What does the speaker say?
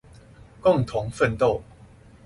共同奮鬥